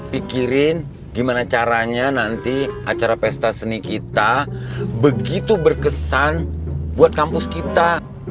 pikirin gimana caranya nanti acara pesta seni kita begitu berkesan buat kampus kita